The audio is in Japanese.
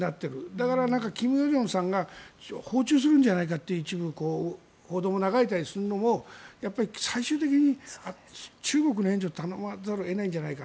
だから金与正さんが訪中するんじゃないかって一部、報道も流れていたりするのも最終的に中国の援助を頼まざるを得ないんじゃないか。